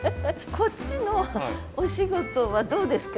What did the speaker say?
こっちのお仕事はどうですか？